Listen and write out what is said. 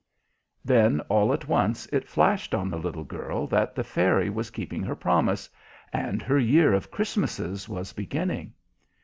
Then all at once it flashed on the little girl that the Fairy was keeping her promise, and her year of Christmases was beginning.